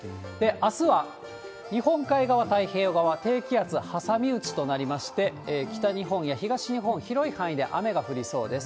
あすは、日本海側、太平洋側、低気圧、挟み撃ちとなりまして、北日本や東日本、広い範囲で雨が降りそうです。